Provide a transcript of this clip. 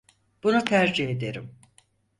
Bunu tercih ederim.